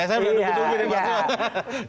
saya benar benar penyumbir ya pak surn